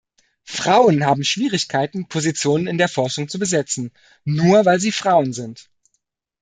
Frauen haben Schwierigkeiten, Positionen in der Forschung zu besetzen, nur weil sie Frauen sind.